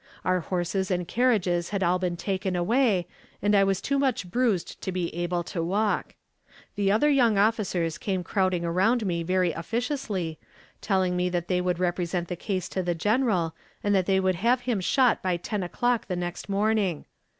Our horses and carriages had all been taken away, and I was too much bruised to be able to walk. The other young officers came crowding around me very officiously, telling me that they would represent the case to the General, and that they would have him shot by ten o'clock the next morning.